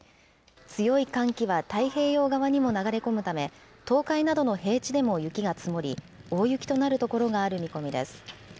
強い寒気は太平洋側にも流れ込むため、東海などの平地でも雪が積もり、大雪となる所がある見込みです。